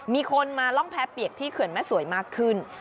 มีคนมาล่องแพ้เปียกที่เขื่อนแม่สวยมากขึ้น